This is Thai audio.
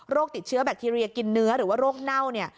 ติดเชื้อแบคทีเรียกินเนื้อหรือว่าโรคเน่าเนี่ย